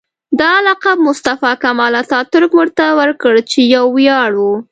دا لقب مصطفی کمال اتاترک ورته ورکړ چې یو ویاړ و.